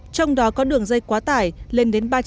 trong đó có đường dây quá tải lên đến ba trăm sáu mươi